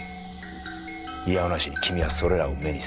いや応なしに君はそれらを目にする。